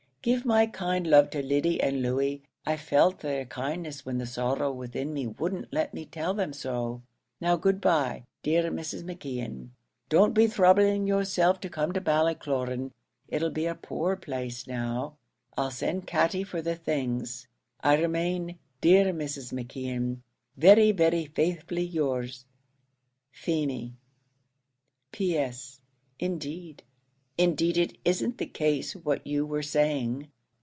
Give my kind love to Lyddy and Louey. I felt their kindness when the sorrow within me wouldn't let me tell them so. Now good bye, dear Mrs. McKeon; don't be throubling yourself to come to Ballycloran; it'll be a poor place now. I'll send Katty for the things. I remain, dear Mrs. McKeon, Very, very faithfully yours, FEEMY. P.S. Indeed indeed it isn't the case, what you were saying.